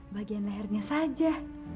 bagian lehernya saja